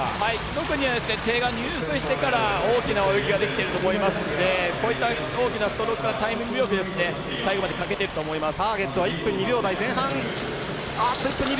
特に、手が入水してから大きな泳ぎができてると思うのでこういった大きなストロークが最後までかけてると思います。